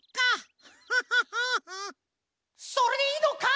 ・それでいいのか！？